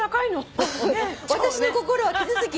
「私の心は傷つき